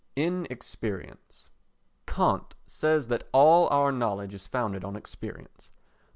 Inexperience Kant says that all our knowledge is founded on experience.